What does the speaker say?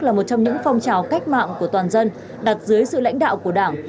là một trong những phong trào cách mạng của toàn dân đặt dưới sự lãnh đạo của đảng